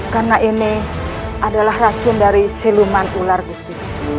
karena ini adalah racun dari siluman ular gusri